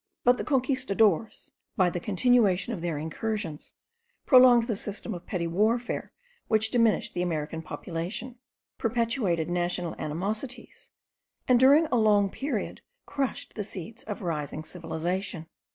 But the Conquistadores, by the continuation of their incursions, prolonged the system of petty warfare which diminished the American population, perpetuated national animosities, and during a long period crushed the seeds of rising civilization.